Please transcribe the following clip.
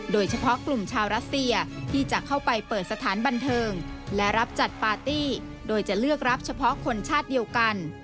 โดยเฉพาะกลุ่มชาวรัสเซียที่จะเข้าไปเปิดสถานบันเทิงและรับจัดปาร์ตี้โดยจะเลือกรับเฉพาะคนชาติเดียวกัน